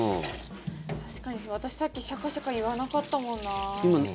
確かに、私さっきシャカシャカいわなかったもんな。